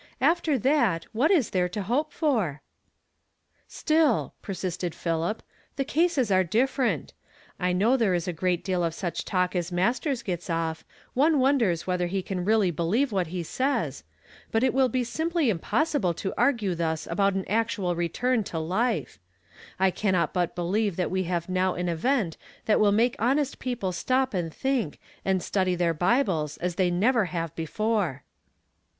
After that, what is there to hope for?" '' Still," persisted Philip, « the cases are differ ent. I know there is a great deal of such talk as Masters gets off ; one wonders whether he can roally believe what he says ; but it will be simply impossible to argue thus about an actual return to life I I cannot but believe that we have now an event that will make honest people stop and think, and study their Bibles as they never have before."